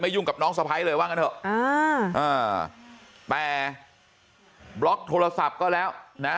ยุ่งกับน้องสะพ้ายเลยว่างั้นเถอะแต่บล็อกโทรศัพท์ก็แล้วนะ